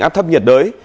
áp thấp nhiệt đới